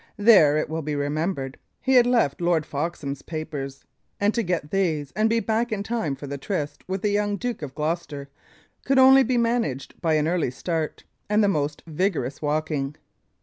There, it will be remembered, he had left Lord Foxham's papers; and to get these and be back in time for the tryst with the young Duke of Gloucester could only be managed by an early start and the most vigorous walking.